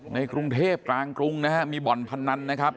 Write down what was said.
ในกรุงเทพกลางกรุงนะฮะมีบ่อนพนันนะครับ